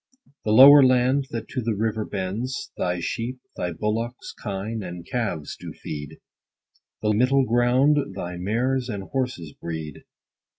The lower land, that to the river bends, Thy sheep, thy bullocks, kine, and calves do feed ; The middle grounds thy mares and horses breed.